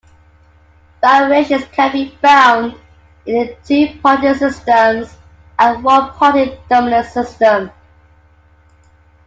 Variations can be found in the two party systems, a one party dominant system.